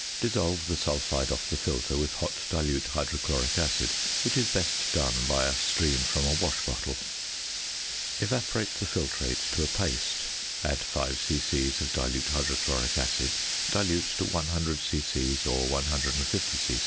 Dissolve the sulphide off the filter with hot dilute hydrochloric acid, which is best done by a stream from a wash bottle. Evaporate the filtrate to a paste, add 5 c.c. of dilute hydrochloric acid, dilute to 100 c.c. or 150 c.c.